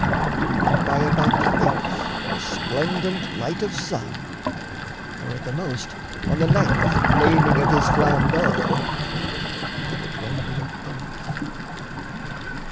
And by about the eighth Resplendent light of sun, or at the most On the ninth flaming of his flambeau, they Would render up the life.